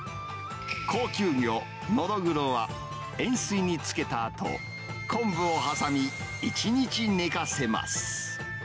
高級魚、ノドグロは、塩水に漬けたあと、昆布を挟み、１日寝かせます。